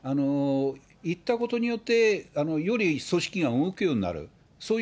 行ったことによって、より組織が動くようになる。